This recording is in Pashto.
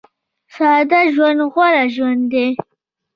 ساده ژوند غوره ژوند دی